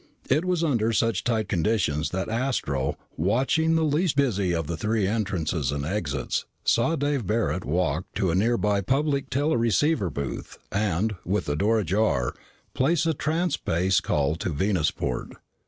It was under such tight conditions that Astro, watching the least busy of the three entrances and exits, saw Dave Barret walk to a nearby public teleceiver booth, and, with the door ajar, place a transspace call to Venusport.